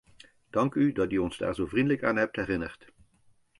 Dank u dat u ons daar zo vriendelijk aan hebt herinnerd.